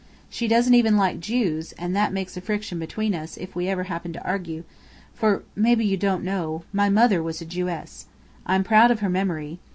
She doesn't even like Jews; and that makes friction between us, if we ever happen to argue, for maybe you don't know? my mother was a Jewess. I'm proud of her memory.